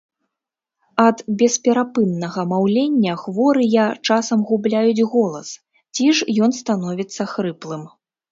Ад бесперапыннага маўлення хворыя часам губляюць голас, ці ж ён становіцца хрыплым.